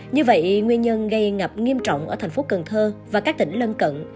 như vậy nguyên nhân gây ngập nghiêm trọng ở thành phố cần thơ và các tỉnh lân cận